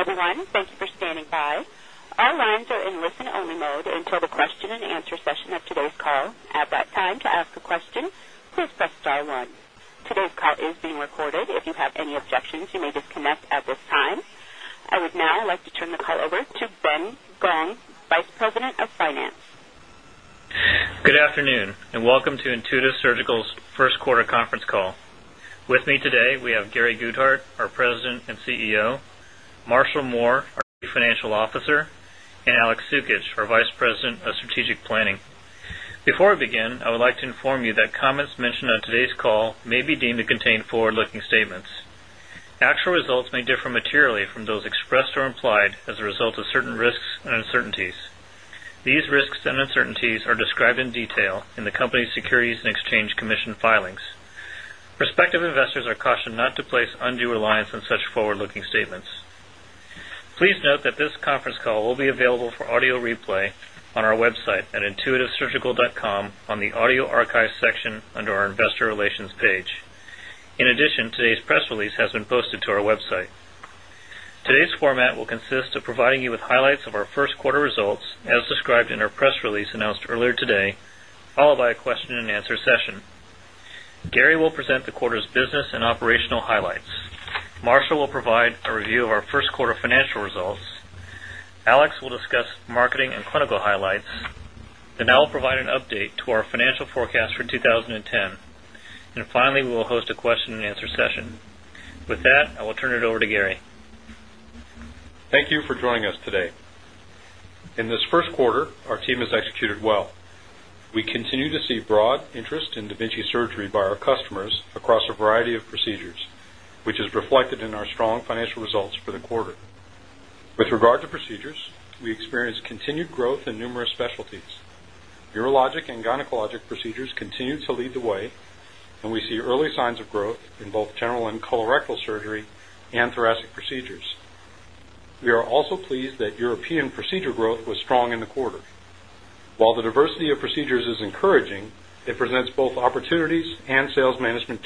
Welcome to the line and thank you for standing by. All lines are in listen only mode until the question and answer session today's call. At this time. I would now like to turn the call over to Ben Gong, Vice President of Finance. Good afternoon, and welcome to Intuitive Surgical's first quarter conference call. With me today, we have Gary Guthardt, our president and CEO, Marshall Moore, our Financial Officer and Alex Soukich, our Vice President of Strategic Planning. Before I begin, I would like to inform you that comments mentioned on today's call may be deemed contain forward looking statements. Actual results may differ materially from those expressed or implied as a result of certain risks and uncertainties. These risks and uncertainties are described in detail in investors are cautioned not to place undue reliance on such forward looking statements. Please note that this conference call will be available for audio replay on our way website at intuitivesurgical.com on the audio archive section under our Investor Relations page. In addition, today's press has been posted to our website. Today's format will consist of providing you with highlights of our first day followed by a question and answer session. Gary will present the quarter's business and operational highlights. Marshall will provide a review of our first quarter financial results. Alex will discuss marketing and clinical highlights, then I'll provide an update to our financial forecast for 2010. And finally, we will host a question and answer session. With that, I will turn it over to Gary. Thank you for joining us today. In this first quarter, our team has executed well. We continue to see broad interest in da Vinci surgery by our customers across a variety of procedures, which is reflected in our strong financial results for the quarter. With regard to procedures, we experienced continued growth in numerous specialties. Urologic and gynecologic procedures continue to lead the way, and we see early signs of growth in both general and colorectal surgery and thoracic procedures. Are also pleased that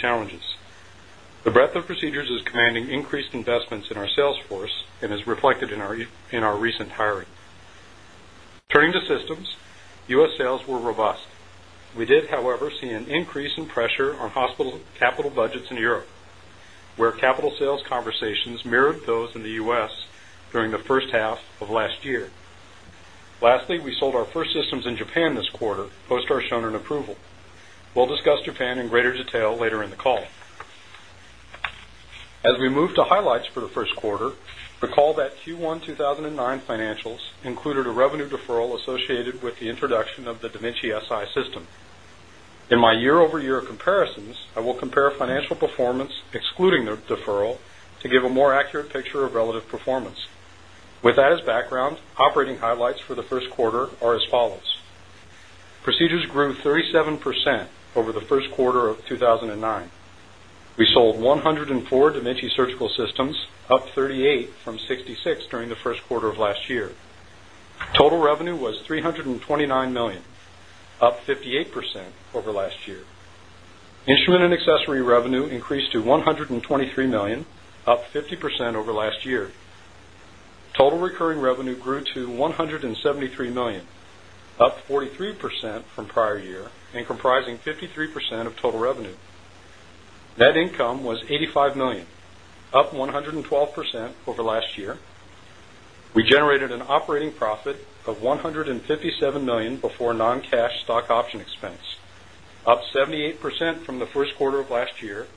challenges. The breadth of procedures is commanding increased investments in our Salesforce and is reflected in our in our recent hiring. Turning to systems, U. S. Sales were robust. We did, however, see an increase in pressure on hospital capital budgets in Europe. Where capital sales conversations mirrored those in the US during the first half of last year. Lastly, we sold our first system Japan this quarter post our shown an approval. We'll discuss Japan in greater detail later in the call. As we move highlights for the first quarter, recall that Q1, 2009 financials included a revenue deferral associated with the introduction of the da Vinci Si System. In my year over year comparisons, the and 9. We sold 104 Diminci surgical systems, up 38 from 66 during the first quarter of last year. Total revenue was revenue increased to $123,000,000, up 50% over last year. Total recurring revenue grew to $173,000,000, up 43% from prior year and comprising 53 percent of total revenue. Net income was 85,000,000 up 112% over last year. We generated an operating profit of $157,000,000 before non cash stock option expense. Up 78% from the first quarter of last year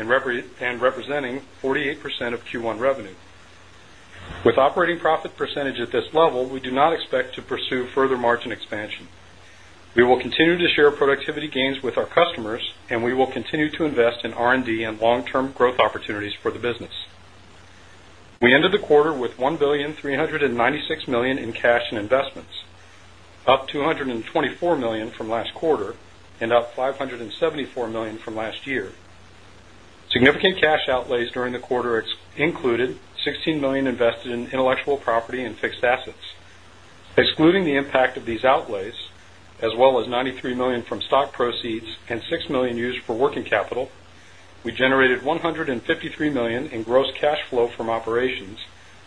and representing 48% of Q1 revenue. With operating profit percentage to invest in R&D and long term growth opportunities for the business. We ended the quarter with $1,396,000,000 in cash and investments. Up $224,000,000 from last quarter and up cash outlays during the quarter included $16,000,000 invested in intellectual property and fixed assets. Excluding the impact of these outlays as well as non $3,000,000 from stock proceeds and $6,000,000 used for working capital, we generated $153,000,000 in gross cash flow from operations,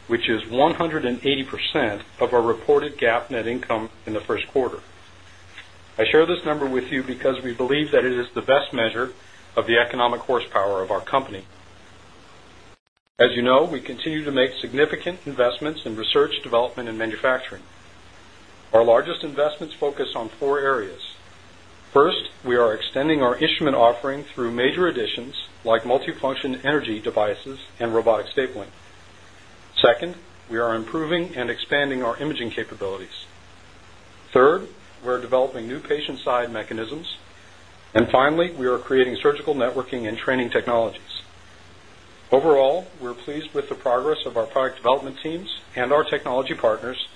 which is 180 percent of our reported GAAP net income in the first quarter. I share this number with you because we believe that it is the best measure of the economic horsepower of our company. As you know, we continue to make significant investments in research, development and manufacturing. Our largest investments focus on Four areas. 1st, we are extending our instrument offering through major additions like multi function devices and robotic stapling. 2nd, we are improving and expanding our imaging capabilities. 3rd, we are developing new patient side mechanisms. And finally, we are creating surgical networking and training technologies. Overall, we're pleased with the progress of our product development teams and our technology partners,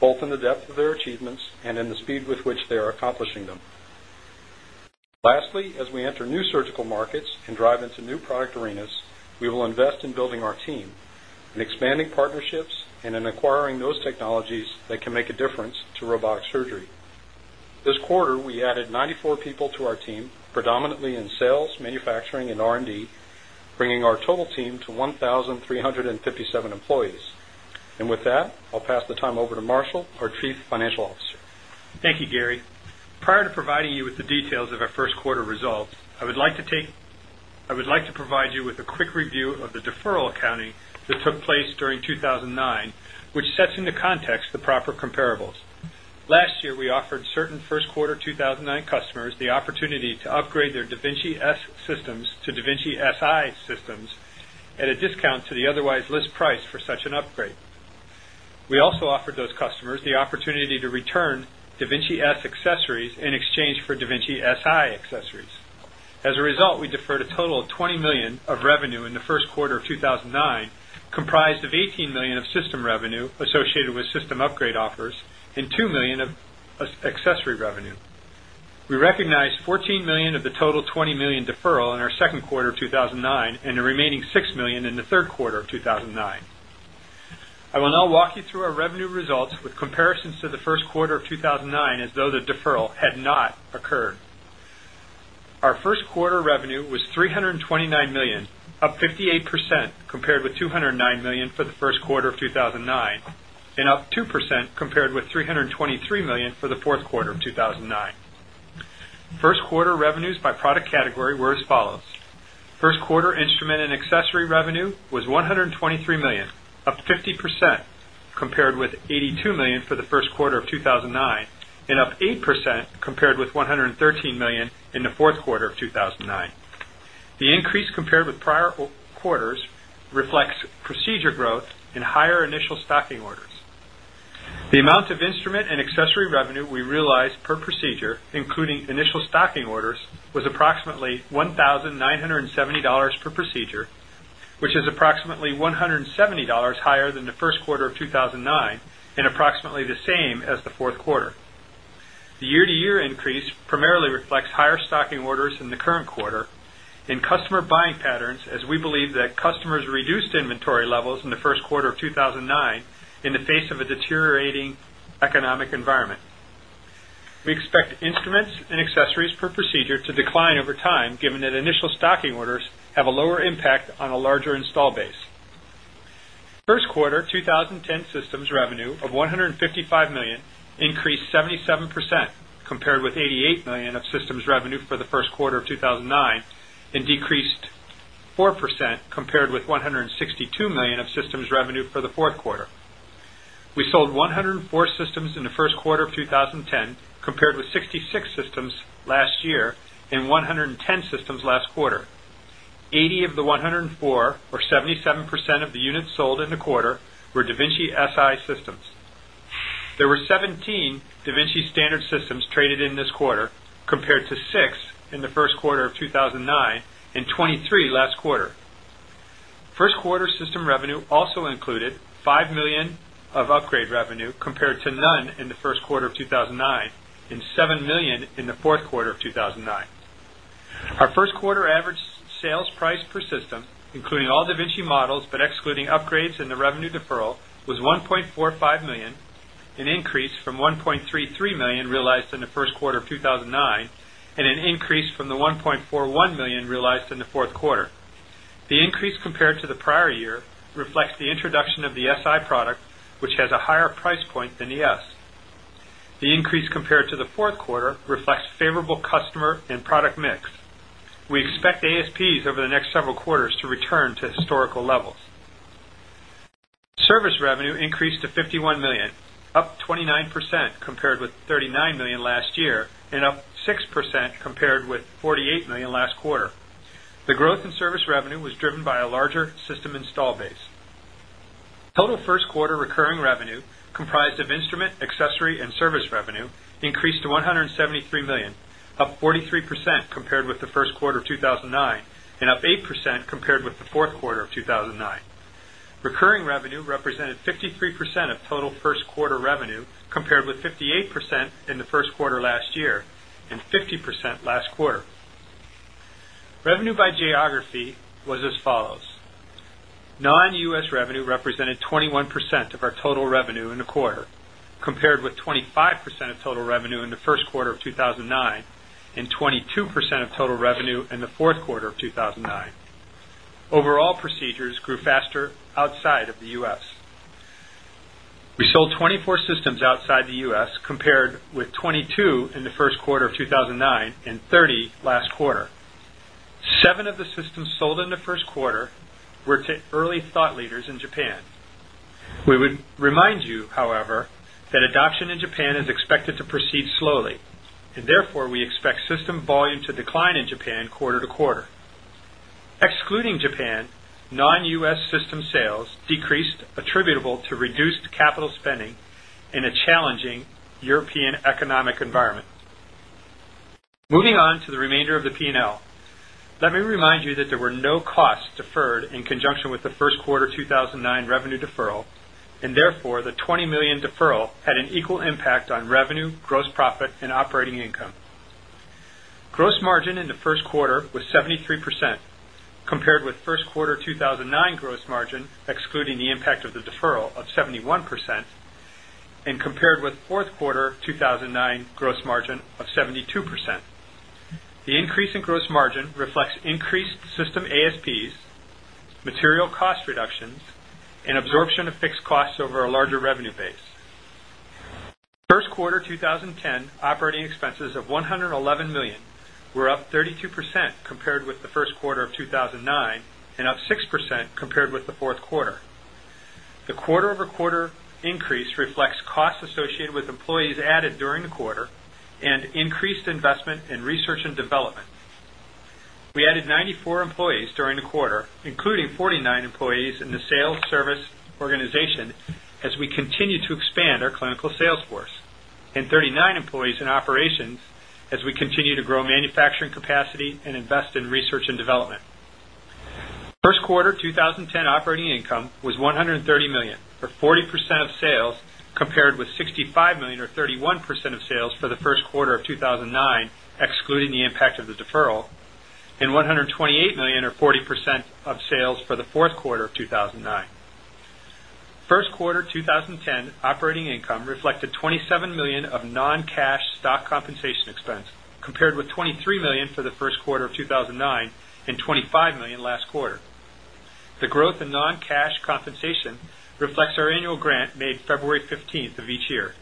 both in the depth of their achievements and in the speed with which they are accomplishing them. Lastly, as we enter new surgical and expanding partnerships and in acquiring those technologies that can make a difference to robotic surgery. This quarter, we added 94 people to our team, predominantly in sales, manufacturing and R and D, bringing our total team to 1357 employees. And with that, I'll pass the time over to Marshall, our Chief Financial Officer. Thank you, Gary. Prior to providing you with the details of our first quarter results, I would like to take I would like to provide you with a quick review of the deferral accounting that took place during 2009, which sets into context the proper comparables. Last year, we offered certain first quarter 2009 customers the opportunity to upgrade their da Vinci S systems to da Vinci Si systems at a discount to the otherwise list price for such an upgrade. We also offered those customers the opportunity to return Davinci of $18,000,000 of system revenue associated with system upgrade offers and $2,000,000 of accessory revenue. We recognized $14,000,000 of the total $20,000,000 deferral in our second quarter of 2009 and the remaining $6,000,000 in the third quarter of 20 9. I will now walk you through our revenue results with comparisons to the first quarter of 2009 as though the deferral had not occurred. Our first quarter revenue was $329,000,000, up 58% compared with $209,000,000 for the first quarter of 2009. Up 2% category were as follows. 1st quarter instrument and accessory revenue was $123,000,000, up 50% compared with 82,000,000 the first quarter of 2009 and up 8% compared with $113,000,000 in the fourth quarter of 2009. The increase compared with prior quarters reflects procedure growth in higher initial stocking orders. The amount of instrument and accessory revenue we dollars $170 higher working orders in the current quarter and customer buying patterns as we believe that customers reduced inventory levels in the first quarter of 2009 in the face of a deteriorated rating economic environment. Working orders have a lower compared with $88,000,000 of systems revenue for the first quarter of 2019 and decreased 4% compared with $162,000,000 of systems revenue for the 4th quarter. We sold 104 systems in the first quarter of 2010 compared with 66 systems last year and 110 systems last Vinci Si systems. There were 17 da Vinci standard systems traded in this quarter compared to 6 in the first quarter of 2009 last quarter. 1st quarter system revenue also included $5,000,000 of upgrade revenue compared to in the first quarter of $2009,07,000,000 in the fourth quarter of 2009. Our first quarter average sales price per system including all da Vinci models, but excluding upgrades in the revenue deferral was $1,450,000, an increase from $1,330,000 realized in the first quarter $9,000,000 and an increase from the production of the SI product, which has a higher price point than ES. The increase compared to the 4th quarter reflects favorable and product mix. We expect ASPs over the next several quarters to return to historical levels. Service revenue increased to 51,000,000, up 29% compared with 39 compared with $48,000,000 last quarter. The growth in service revenue was driven by a larger system installed base. 1st quarter recurring revenue comprised of instrument, accessory and service revenue increased to $173,000,000, up 43 compared with the first quarter revenue compared by geography was with 25% of total revenue in the first quarter of 2009 22% of total revenue in the fourth quarter of 2009. Overall procedures grew faster outside paired with 22 in first quarter of 2009 30 last quarter. 7 of the systems sold in the first quarter were to early thought leaders in Japan. We would remind you, however, that adoption in Japan is expected to proceed slowly and for, we expect system volume to decline in Japan quarter to quarter. Excluding Japan, non US system sales decreased attributable to reduced capital spending in a challenging European economic environment. Moving on to the remainder of the P and L. Let me you that there were no costs deferred in conjunction with the first quarter 2019 revenue deferral and therefore, the $20,000,000 deferral had an equal impact on revenue, gross profit, and operating income. Gross margin in the first quarter was 73%, compared with first quarter 2009 gross margin, excluding the impact of the deferral of 71% and compared with 4th quarter 2009 gross of 72%. The increase in gross margin reflects increased system ASPs, material cost reductions, and absorption costs over a larger revenue base. 1st quarter 2010 operating expenses of 111,000,000 were up 32% compared with the the quarter over quarter increase reflects costs associated with employees added during the quarter and increased investment in research and development. Added 94 employees during the and our clinical sales force and 39 employees in operations as we continue to grow manufacturing capacity and invest in research and development. 1st quarter 2010 operating income was $130,000,000 or 40 percent of sales compared with $65,000,000 or 31 percent of sales the first quarter of 2019, excluding the impact of the deferral, and $128,000,000 or 40 percent of sale for the fourth quarter of 2009. 1st quarter 2010 operating income reflected $27,000,000 of non cash stock compensation expense, compared with 23,000,000 reflects our annual grant made February 15th each year.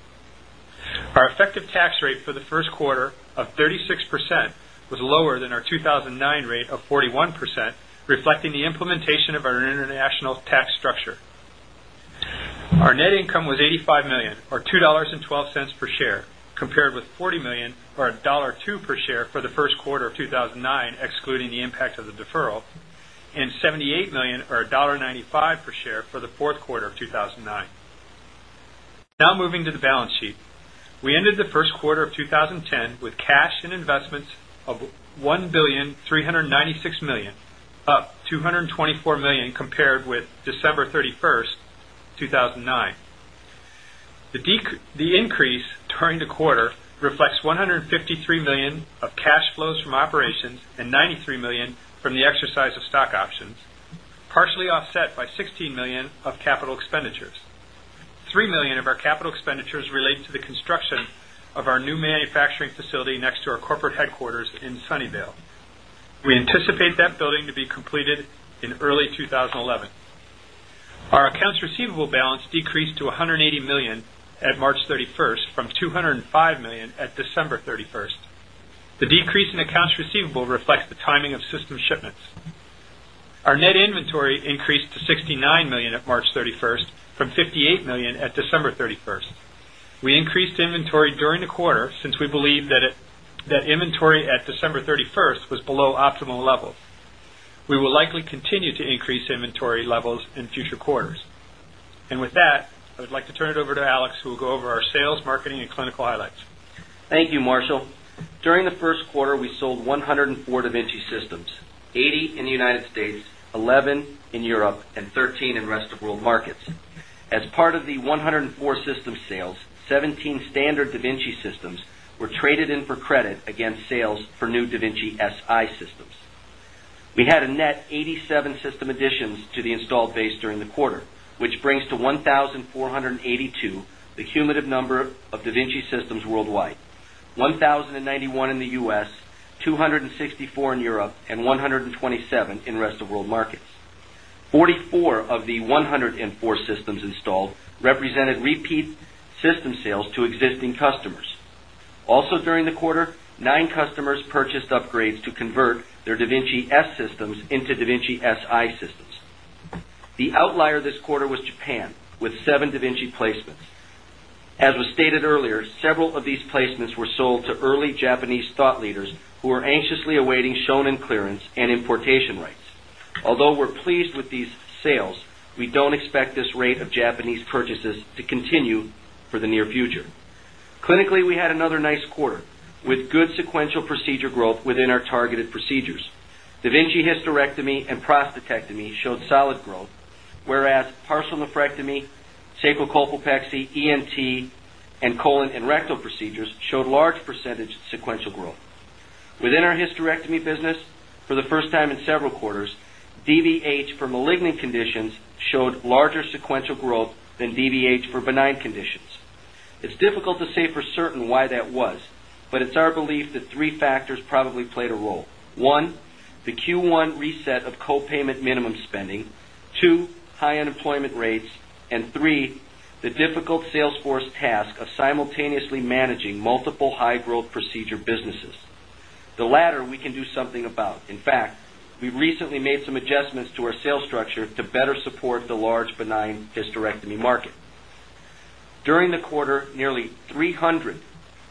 Our effective tax rate for the first quarter of 36% was lower than our 2009 rate of 41 percent, reflecting the implementation of our international tax structure. Our net income was $85,000,000 or $2.12 per share compared with $40,000,000 or $1.02 per share tax of the deferral and $78,000,000 or a dollar 95 per share for the fourth quarter of 2009. Moving to the balance sheet. 96,000,000, up $224,000,000 compared with December 31, 2009. The decrease 93,000,000 from the exercise of stock options, partially offset by 16,000,000 of capital expenditures. $3,000,000 of our capital expenditures related to the construction of our new manufacturing facility next to our corporate headquarters in Sunnyvale. We anticipate that building to be completed in early 2011. Our accounts receivable balance decreased to $1,000,000 at March 31st from $205,000,000 at December 31st. The decrease in accounts receivable reflects the timing of system shipments. Our net inventory 31st. We increased inventory during the quarter since we believe that it that inventory at December 31st was below optimal level. We will likely continue to increase inventory levels in future quarters. And with that, I would like to turn it over to Alex who will go over our sales, marketing and clinical highlights. You, Marshall. During the first quarter, we sold 104 and rest of world markets. As part of the 104 system sales, 17 standard da Vinci systems were traded in for credit against sales for new da Vinci Si systems. We had a net 87 system additions to the installed base during the quarter, which brings to 14 the cumulative number of da Vinci systems worldwide, 1091 in the U S, 264 in Europe, and 1 27 in rest of world markets. 44 of the 104 systems installed represented repeat system sales to existing customers. Also during the quarter, 9 customers purchased upgrades to convert their da Vinci this Japanese thought leaders who are anxiously awaiting shown in clearance and purchases to continue for the near future. Rectomy and prostatectomy showed solid growth, whereas partial nephrectomy, cyclical pepsi, ENT, and and rectal procedures showed large percentage sequential growth. Within our hysterectomy business, for the first time in several quarters, DVH for malignant conditions showed larger sequential growth than DVH for benign conditions. It's difficult to say for certain why that was but it's our belief that 3 factors probably played a role. 1, the Q1 reset of co payment minimum spending 2, high unemployment rates and 3, the difficult Act, we recently made some adjustments to our sales structure to better support the large benign hysterectomy market. During the quarter, nearly 300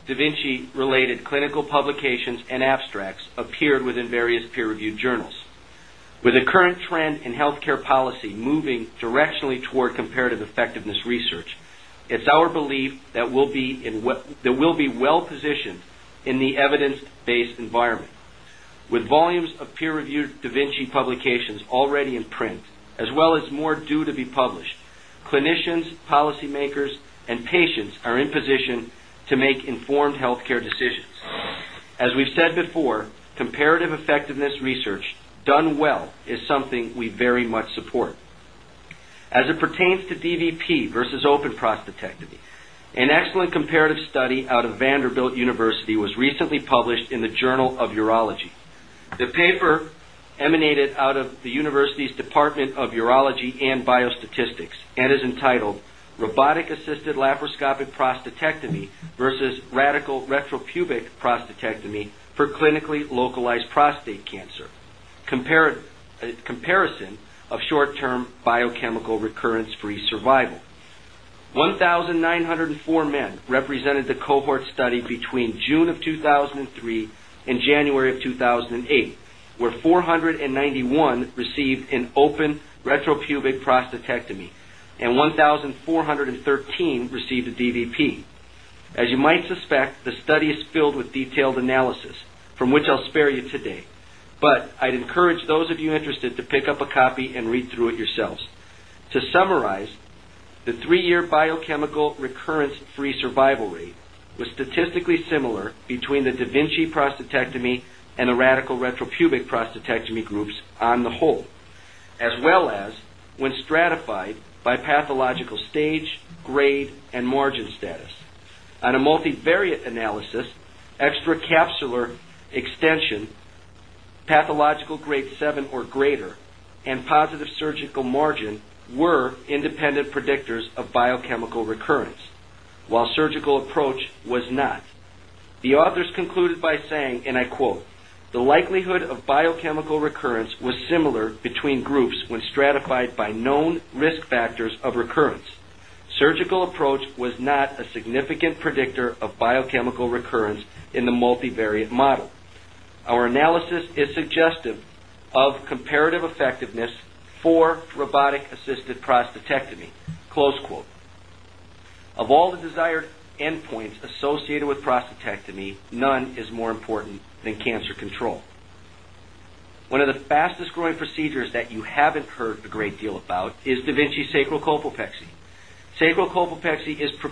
da Vinci related clinical publications and abstracts appeared within areas peer reviewed journals. With the current trend in healthcare policy moving directionally toward comparative effectiveness research, it's our belief that we'll be in that we'll be well positioned in the evidence based environment with volumes of pure Davinci publications already in print, as well as more due to be published. Clinicians, policymakers, and patients are in position to make informed healthcare decisions. As we have said before, comparative effectiveness research done well is something we very much support. As it pertains to the sister laparoscopic prostatectomy versus radical retro pubic prostatectomy for clinically localized prostate cancer. Comparison of short term biochemical recurrence free survival. 904 men represented the cohort study between June of 2003 January of 2008 were 491 received an open retro pubic prostatectomy and 1413 received the DVP. As you might suspect, the studies filled with detailed analysis from which I will spare you today. But I would encourage those of you interested to pick up a copy and read through it yourselves. To summarize, The 3 year biochemical recurrence free survival rate was statistically similar between the da Vinci prostatectomy and the radical retropubic prostatect groups on the whole as well as when stratified by pathological stage, grade and margin status. On a multi area analysis, extra capsular extension, pathological grade 7 or greater, and positive surgical margin were independent predictors of biochemical recurrence, while surgical approach was not The authors concluded by saying, of comparative effectiveness for robotic assisted prostatectomy, of the desired endpoints associated fastest growing procedures that you haven't heard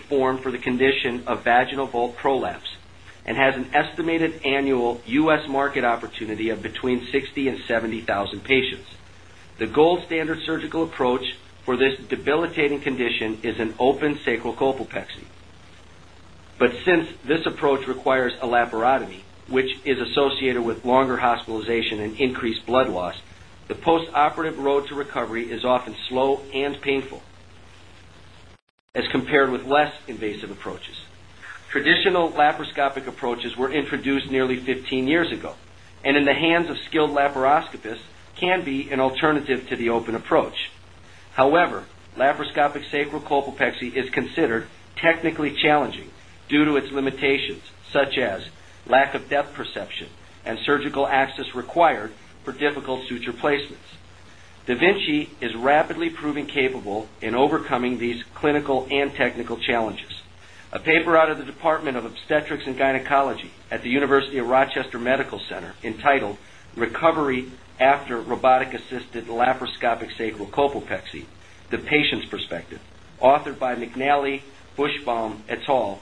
form for the condition of vaginal Volt ProLabs and has an estimated annual U. S. Market opportunity of between 60,701,000 patients. The gold surgical approach for this debilitating condition is an open sacralcopal pepsi. But since this approach requires which is associated with longer hospitalization and increased blood loss, the post operative road to recovery is often slow and painful. As compared with less invasive this can be an alternative to the open approach. However, laparoscopic technically challenging due to its limitations, such as lack of depth perception and surgical access required for difficult suture placements. Devinci is rapidly proven capable in overcoming these clinical and technical challenges. A paper out of the department of Obstetrics And Gynecology at the University of Rochester Medical Center entitled Recovery After Robotic Assisted laparoscopic sacralcopel Apexi, the patient's perspective authored by McNally Bushbaum, Etal,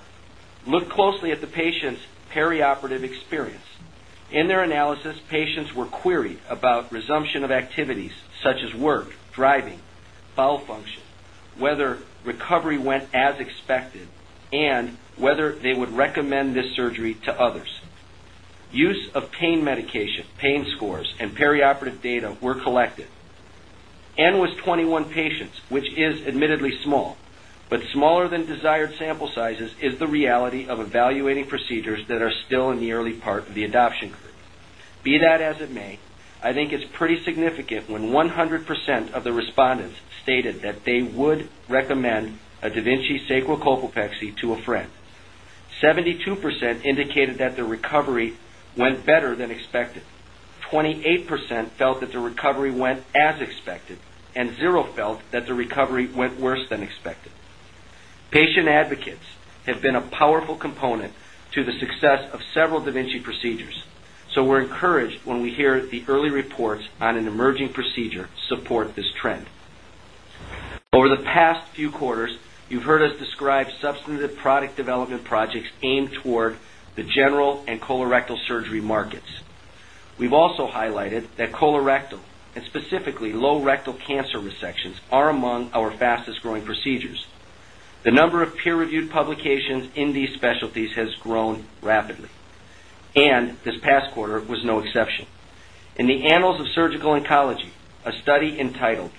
looked closely at the patient's perioperative experience. In assist patients were queried about resumption of activities, such as work, driving, bowel function, whether recovery went as expected, and whether they would perioperative data were collected and was 21 patients, which is admittedly small, but smaller than desired sample sizes is the when 100 percent of the respondents stated that they would recommend a da Vinci Sacralopepaxi to a friend. 72% indicated that the recovery went better than expected. 28% felt that the recovery went as expected and 0 felt that the recovery went worse than expected. Patient advocates have been a powerful component to success of several da Vinci procedures. So we are encouraged when we hear the early reports on an emerging procedure support this trend. Over the past few quarters, you've heard us describe substantive product development projects aimed toward the general and colorectal surgery market. We have also highlighted that colorectal and specifically low rectal cancer resections are among our fastest growing procedures. In number of peer reviewed publications in these specialties has grown rapidly, and this past quarter was no exception. In the annals of Surgical Oncology, a study entitled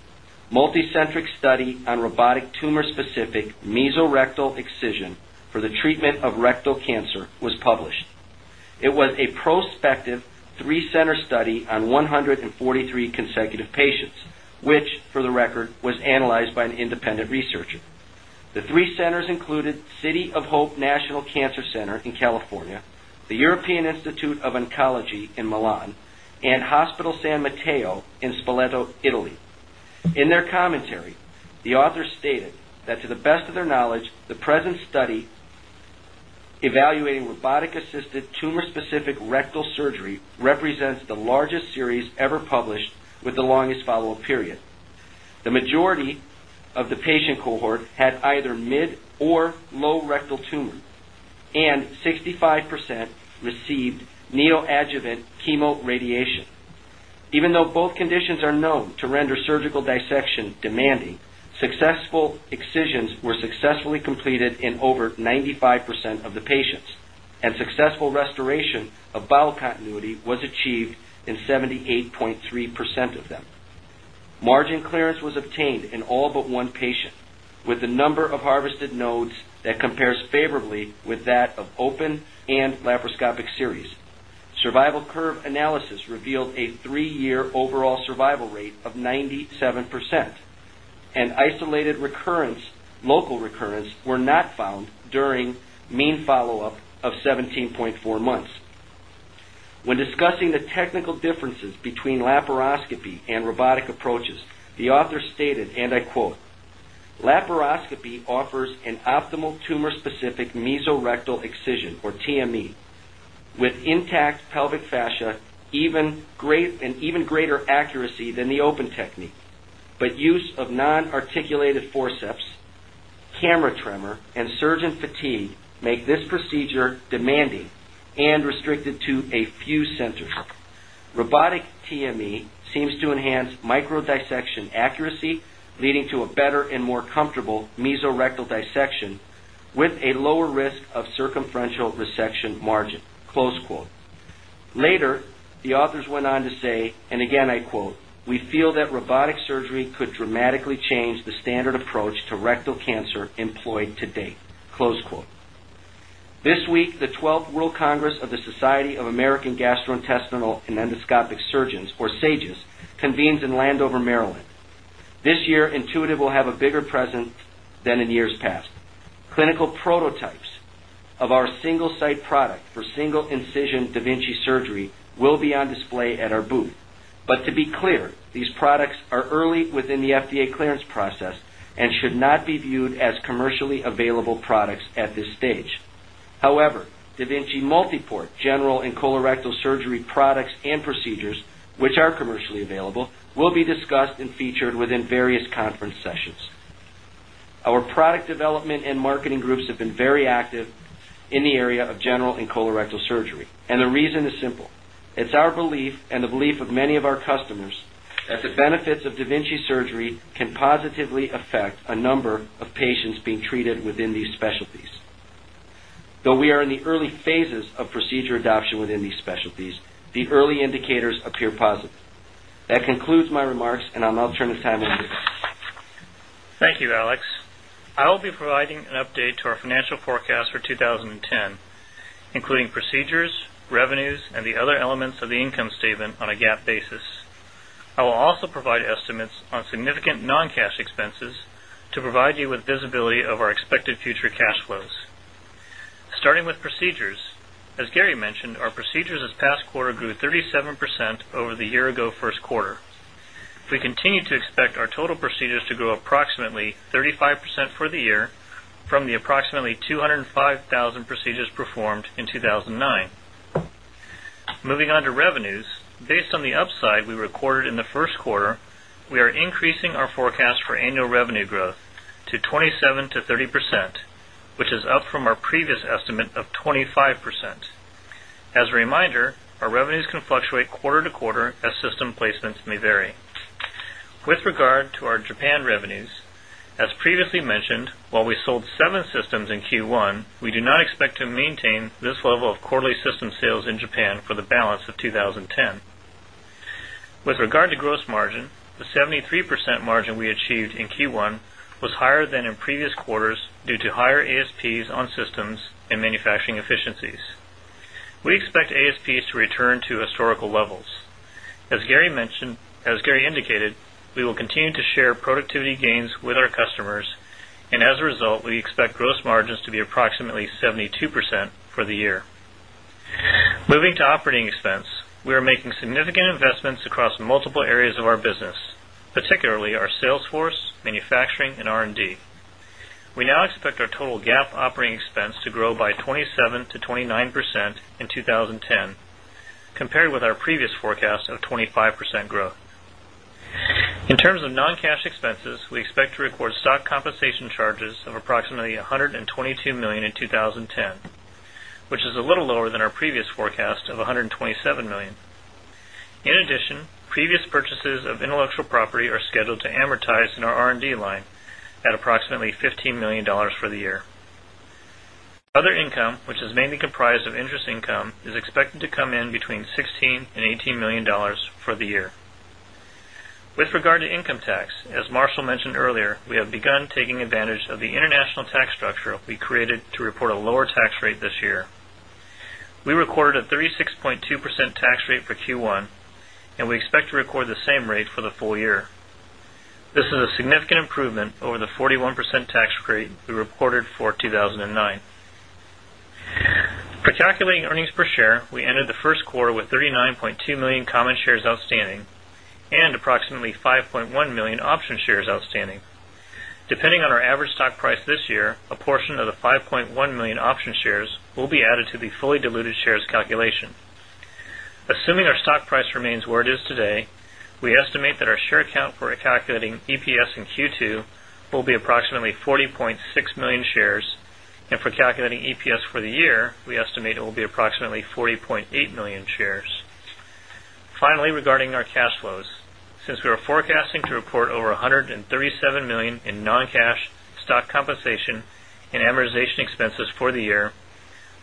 multicentric study on robotic tumor specific mesorectal excision for the treatment of rectal cancer was published. It was a prospective 3 center study on 143 consecutive patients, which for the record was analyzed by an independent researcher. The 3 centers included City of Hope National Cancer Center in California, the European Institute of an in Milan. In their commentary, the author stated that to the best of their knowledge, the in study, evaluating robotic assisted tumor specific rectal surgery represents the large the tumor 65% received neoadjuvant chemo radiation. Even though both conditions are known to run surgical dissection demanding successful excisions were successfully completed in over 95% of the patients. Successful restoration of bowel continuity was achieved in 78.3 percent of them. Margin clearance was obtained in all but one patient, with the number of harvested nodes that compares favorably with survival curve analysis revealed a 3 year overall survival rate local recurrence were not found during main follow-up of 17.4 months. When discussing the technical differences between laparoscopy and robotic approaches, the author stated, and I quote, laparoscopy offers an optimal tumor specific mesorectal excision or TME, with intact pelvic fascia, even great and even greater accuracy than the open technique, but use of non articulated forceps, camera tremor, and surgeon fatigue make this procedure demanding and section accuracy leading to a better and more comfortable mesorectal dissection with a lower risk of circumferential resection margin. Later, the authors went on to say, and again, I quote, we feel that robotic surgery could dramatically change of the Society of American Gastrointestinal And Endoscopic Surgeons or SAGES Convenes in Landover, Maryland. This year, Intuitive will have a or present than in years past. Clinical prototypes of our single site product for single incision da Vinci surgery will be on display at our booth. As commercially available products at this stage. However, da Vinci Multiportgeneral and colorectal surgery products and procedures, which are available will be discussed and featured within area of general and colorectal surgery and the reason is simple. It is our belief and the belief of many of our customers that the benefits of da Vinci surgery can positively effect a number of patients being treated within these specialties. Though we are in the early phases of procedure within these specialties, the early indicators appear positive. That concludes my remarks and I will now turn the time you, Alex. I will be providing on a expected future cash flows. Starting with procedures, as Gary mentioned, our procedures this past quarter grew 37% over the year ago first quarter. We continue to expect our total procedures to grow approximately 35% for the year from the approximately 205,000 procedures performed in 2009. Moving on to revenues, based on the upside we recorded in the first quarter, we are increasing our forecast for annual revenue growth to 27% to 30%, which is up from our previous estimate of 25%. As a reminder, our revenues can fluctuate quarter to quarter as system placements may vary. 7 systems in Q1, we do not expect to maintain this level of quarterly system sales in Japan for the balance of 20.10. With my to systems and manufacturing efficiencies. We expect ASPs to return to historical levels. As Gary mentioned, as Gary indicated, we will continue share productivity gains with our customers. And as a result, we expect gross margins to be approximately 72% for the year. Moving to operating expense, we are making significant investments across multiple areas of our business, but particularly, our sales force, manufacturing, and we expect to record stock compensation charges of approximately $122,000,000 in 2010, which is a little lower our previous forecast of approximately $15,000,000 for the year. Other income, which is mainly comprised of interest income, is expected to come in between 16 $18,000,000 tax structure we created to report a lower tax rate this year. We recorded a 36.2 percent tax rate for Q1, and we record the same rate for the full year. This is a significant improvement over the 41% tax rate we reported for 2009. Participating earnings per share, we ended the 1st quarter with 39,200,000 common shares outstanding and approximately 5,100,000 option shares outstanding. Depends on our average stock price this year, a portion of the 5,100,000 option shares will be added to the fully diluted shares calculation. Assuming our stock price remains where it is today, we estimate that our share count for calculating EPS in Q2 will be a approximately 40,600,000 shares. And for calculating EPS for the year, we estimate it will be approximately 40,800,000 shares. Finally, regarding our cash flows, since we are forecasting to report over 137,000,000 in non cash stock compensation and amortization expenses for the year,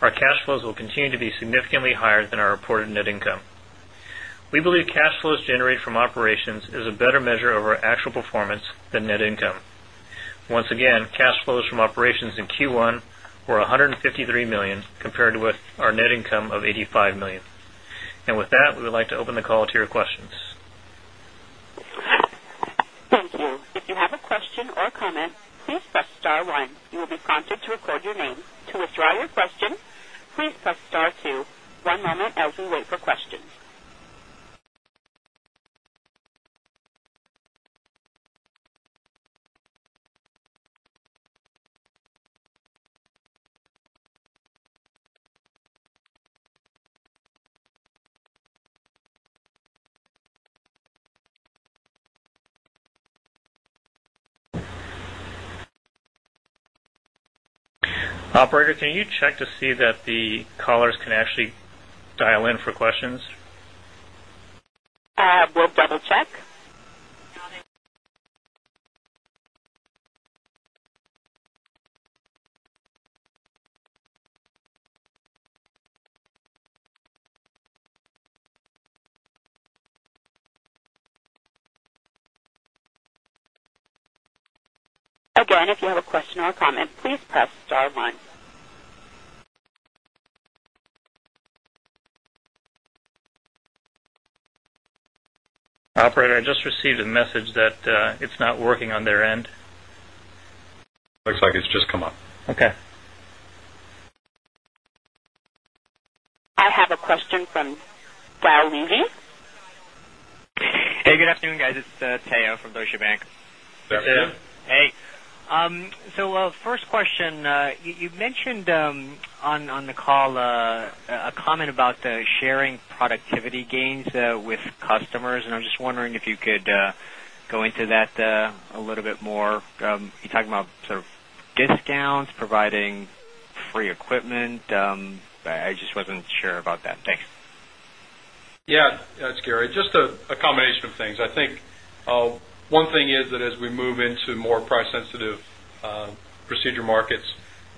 our cash flows will continue to be significantly higher than our reported net income. We believe cash flows generated from operations is a better measure of our actual performance than net income. Once again, cash flows from operations in Q1 were 100 $53,000,000 compared with our net income of $85,000,000. And with that, we would like to open the call to your Thank One moment as we wait for questions. Operator, can you check to see that the callers can actually dial in for questions? We'll double check. Operator, and just for the message that, it's not working on their end. Looks like it's just come up. Okay. I have a question from Dial Levy. Hey. Good afternoon, guys. This is Tayo from Deutsche Bank. Hey. So first question, you've mentioned on the call a comment about the sharing productivity gains with customers. And I was just wondering if you could go into that a little bit more. You're talking about sort of discounts providing free equipment. I just wasn't sure about that. Yes, that's Gary. Just a combination of things. I think one thing is that as we move into more price sensitive, procedure markets,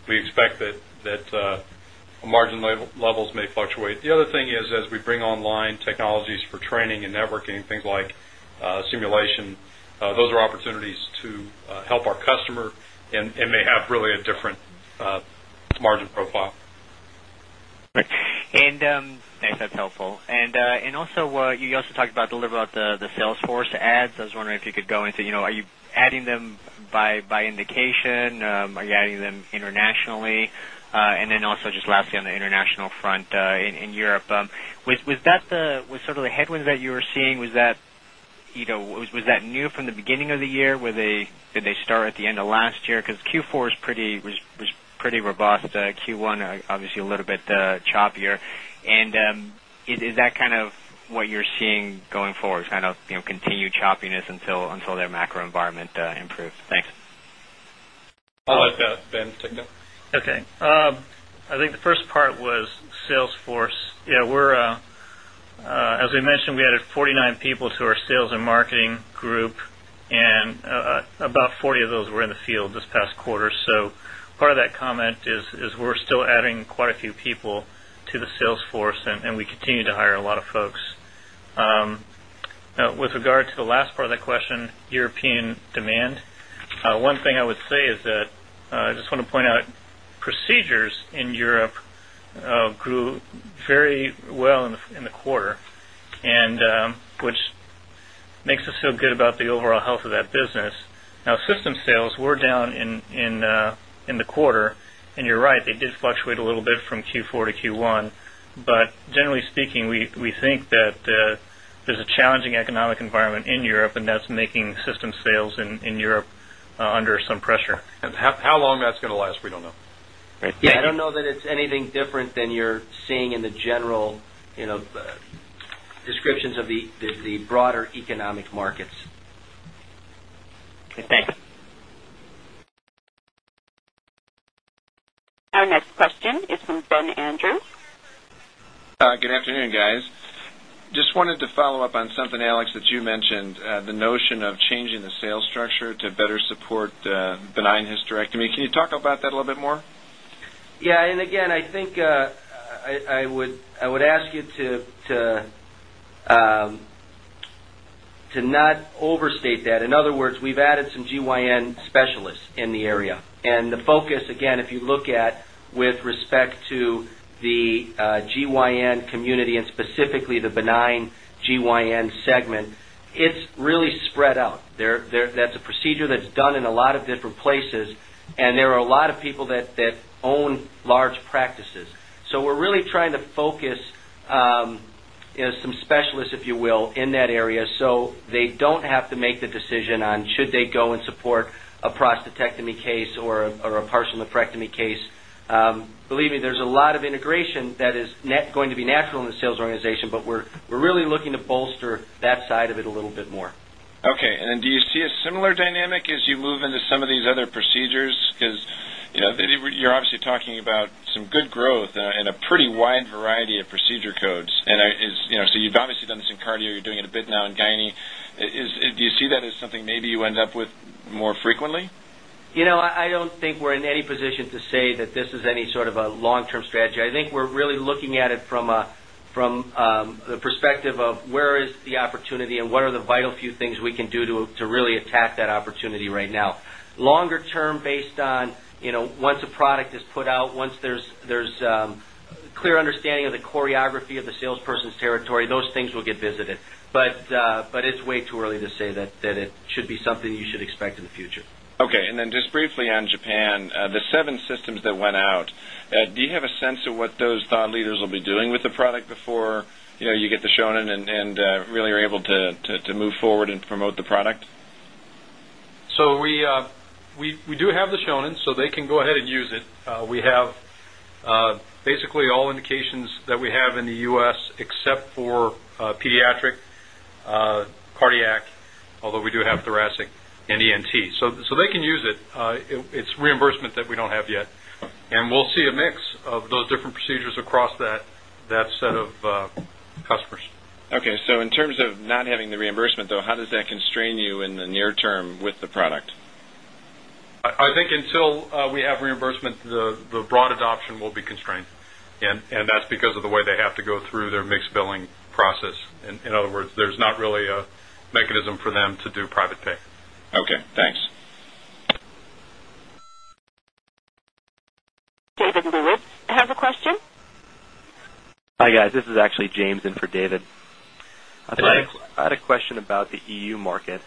we expect that, margin levels may fluctuate. The other thing is, as we bring online technologies for training and networking, things like simulation, those are opportunities to help our customer and may have really a different margin profile. And, nice. That's helpful. And, and also, you also talked about a little bit about the sales force adds. I was wondering if you could go into, you know, adding them by indication, are you adding them Internationally? And then also just lastly on the international front, in Europe, but was that the was sort of the headwinds that you were seeing? Was that new from the beginning of the year? Were they they start at the end of last year? Because Q4 was pretty robust Q1, obviously a little bit choppier. And Is that kind of what you're seeing going forward kind of continued choppiness until their macro environment improves? I'll let Ben take note. Okay. I think the first part was Salesforce. Yeah. We're, as we mentioned, we added 49 people to our sales and marketing group and, about 40 of those were in the field this past quarter. So part of that comp is is we're still adding quite a few people to the Salesforce, and and we continue to hire a lot of folks. With regard to the last part of the question, European demand. One thing I would say is that, I just want to point out seizures in Europe, grew very well in the in the quarter and, which they us so good about the overall health of that business. Now system sales were down in in in the quarter, and you're right. They did fluctuate a from Q4 to Q1. But generally speaking, we we think that there's a challenging economic environment in and that's making system sales in Europe, under some pressure. And how long that's going to last? We don't know. Know that it's anything different than you're seeing in the general descriptions of the broader economic markets Thanks. Our next question is from Ben Andrews Good afternoon, guys. Just wanted to follow-up on something Alex that you mentioned, the notion of changing the sales structure to better support benign hysterectomy. Can you talk about that a little bit more? Yes. And again, I think, I would ask you to to not overstate that. In other words, we have added some GYN specialists in the area. The focus, again, if you look at with respect to the GYN community and specifically the benign GYN segment, it's really spread out. That's a procedure that's done in a lot of different places and there are a lot of people that own large practices. So area. So, they don't have to make the decision on should they go and support a prostatectomy case or a partial nephrectomy case pace, believing there is a lot of integration that is going to be natural in the sales organization, but we are really looking to bolster that side of it a little bit more. Okay. And then do you see a similar dynamic as you move into some of these other procedures? Because you're obviously talking about some good growth in a pretty wide variety of procedure codes. And is, you know, so you've obviously done this in cardio. You're doing it a bit now in Guinee. Do you see that as something do you end up with more frequently? You know, I don't think we're in any position to say that this is any sort of a long term strategy. I think we're really looking at it from the perspective of where is the opportunity and what are the vital few things we can do to really attack that opportunity right now. Longer term based on once a product is put out, once there's clear understanding of the choreography of the salesperson's territory, those things will get it. But, but it's way too early to say that that it should be something you should expect in the future. Okay. And then just briefly on Japan, the 7 systems that went out. Do you have a sense of what those thought leaders will be doing with the product before you get the shown in really are able to to to move forward and promote the product? So we, we we do have the shown in so they go ahead and use it. We have, basically all indications that we have in the U. S. Except for pediatric, car cardiac, although we do have thoracic and ENT. So they can use it. It's reimbursement that we don't have yet. And we'll see a mix of different procedures across that set of, customers. Okay. So in terms of not having the reimbursement though, how does that constrain you in the near term with the product? I think until we have reimbursement, the broad adoption will be constrained and because of the way they have to Thanks. This is actually James in for David. I had a question about the EU market.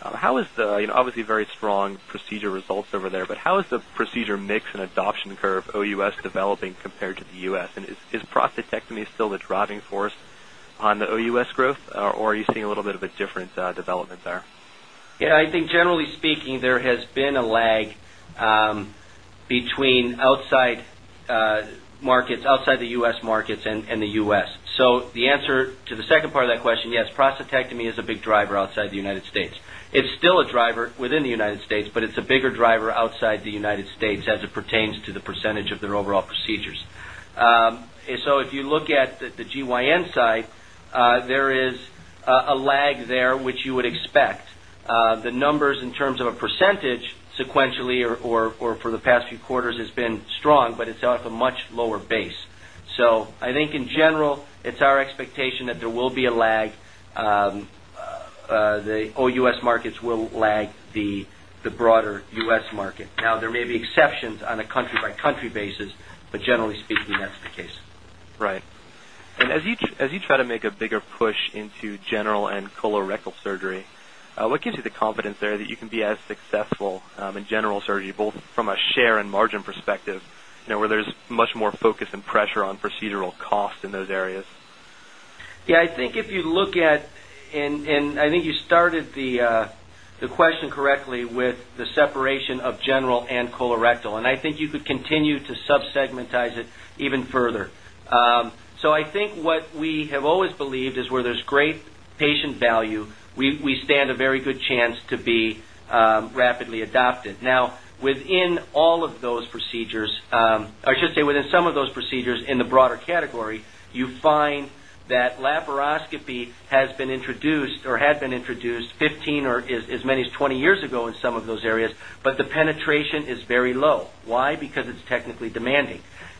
How is the obviously very strong procedure results over there, but how is the procedure mix and adoption curve OUS developing compared to the U S? And is prostatectomy still the driving force on the OUS growth or are you seeing a little bit of a different development there? Yes, I think generally there has been a lag between outside markets, outside the U. S. Markets and U. S. So the answer to the second part of that question, yes, prostatectomy is a big driver outside the United States. It's still a driver within the States, but it's a bigger driver outside the United States as it pertains to the percentage of their overall procedures. So, if you look at the GYN side, there is a lag there, which you would expect, the numbers in terms of a percentage sequentially or for the past few quarters has been strong, but it's out of a much lower base. So I think in general, it's our expectation that there will be a lag. The OUS markets will lag the broader US market. Now there may be exceptions on the by country basis, but generally speaking, that's the case. Right. And as you as you try to make a bigger push into general and colorectal surgery, looking to the confidence there that you can be as successful in general surgery, both from a share and margin perspective, where there is much more focus and pressure question correctly with the separation of general and colorectal. And I think you could continue to subsegmentize it even further. So think what we have always believed is where there's great patient value, we stand a very good chance to be, rapidly adopted. Now with in all of those procedures, I should say within some of those procedures in the broader category, you find that laparoscopy has been introduced or had introduced 15 or as many as 20 years ago in some of those areas,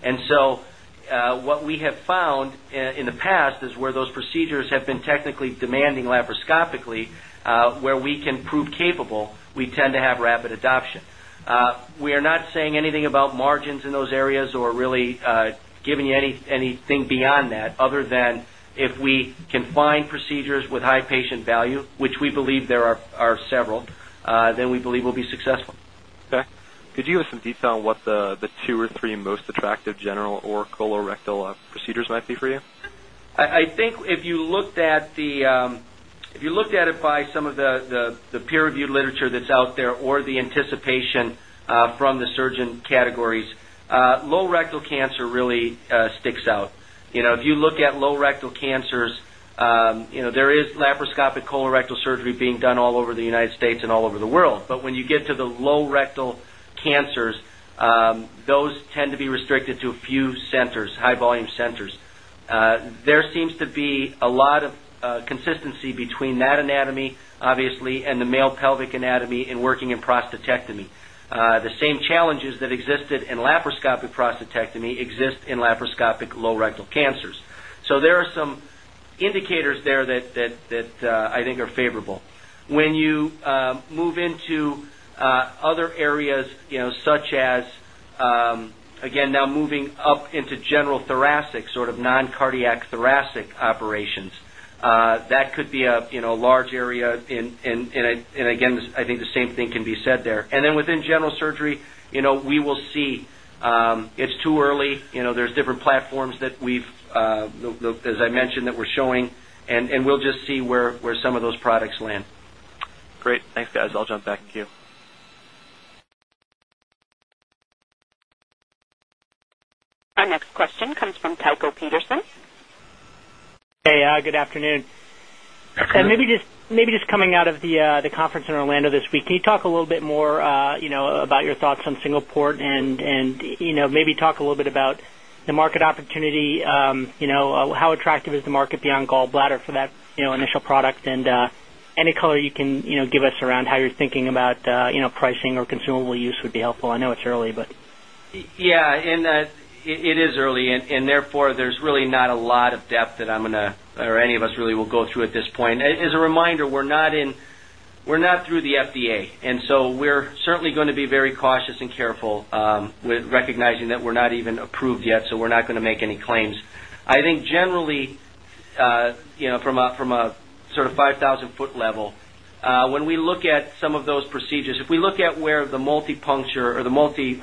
and so what we have found in the past is where those procedures have been technically demanding laparoscopically where we can prove capable, we tend to have rapid adoption. We are not saying anything about margins in those areas or really giving you any anything beyond that other than if we can find procedures with high patient value, which we believe there are several, then we believe will be successful. Could you give us some detail on what the 2 or 3 most attractive general or colorectal procedures might be for you? I think if you looked at the if you looked at it by some of the peer reviewed literature that's out there or the anticipation from the surgeon categories, low rectal cancer really sticks out. If you look at low rectal cancers, There is laparoscopic colorectal surgery being done all over the United States and all over the world, but when you get to the low rectal key sensors, those tend to be restricted to a few centers, high volume centers. There seems to be a lot of consistency between that anatomy obviously and the male pelvic anatomy and working in prostatectomy. That existed in laparoscopic prostatectomy exist in laparoscopic low rectal cancers. So there are some indicator there that that that, I think, are favorable. When you move into other areas, you know, such as, again, now moving up into general thoracic, sort of non cardiac thoracic operations. That could be a large area in a again, I think the same thing can be said there. And then within general surgery, we will see, it's too early. There's different platforms that we've, as mentioned that we are showing, and we will just see where some of those products land. Our next question comes from Tycho Peterson. And maybe just maybe just coming out of the, the conference in Orlando this week. Can you talk a little bit more, you know, about your thoughts on single port and, and, you know, maybe talk a little bit about the opportunity, how attractive is the market beyond gallbladder for that initial product? And any color you can give us around how you're thinking about pricing or consumable use would be helpful. I know it's early, but Yes, and it is early. And therefore, there's really not a lot of depth that I'm going to or any of really will go through at this point. And as a reminder, we're not in, we're not through the FDA. And so we're certainly going to be very cautious and careful, with record that we're not even approved yet, so we're not going to make any claims. I think generally, from a sort of five thousand foot level, when we look at some of those procedures, if we look at where the multi puncture or the multi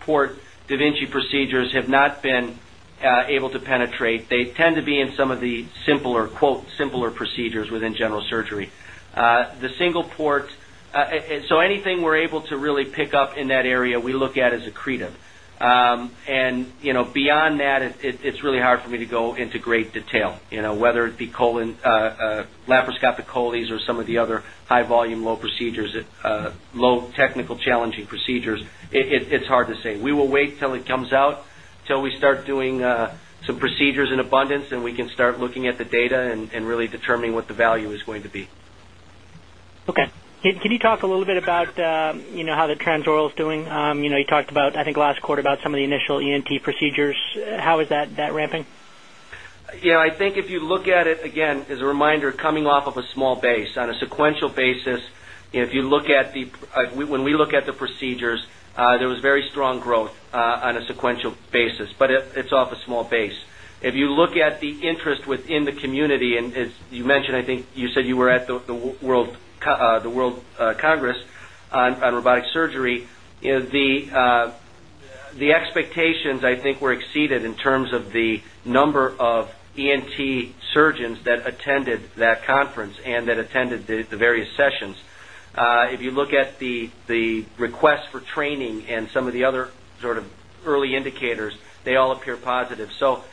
port da Vinci procedures have not been able to penetrate, they tend to be in some of the simpler, simpler procedures within general surgery. The same port. So anything we're able to really pick up in that area we look at as accretive. And beyond that, it's really hard for me go into great detail, you know, whether it be colon, laffer's got the cole's or some of the other high volume, low procedures, low technical challenging procedures, it's hard to say. We will wait till it comes out till we start doing some procedures in and we can start looking at the data and and really determining what the value is going to be. Okay. Can can you talk a little bit about how the Trans Oral is doing. You talked about, I think last quarter about some of the initial ENT procedures. How is that that ramping? Yeah, I think if you look at it again, as reminder coming off of a small base. On a sequential basis, if you look at the when we look at the procedures, there was very strong growth on a sequential basis, but it's off a small base. If you look at the interest within the community and as you mentioned, I think you said you were at the World the World Congress on robotic surgery is the expectations I think were exceeded in terms of the number of ENT US for training and some of the other sort of early indicators, they all appear positive. So,